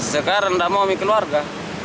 sekarang tidak mau memiliki keluarga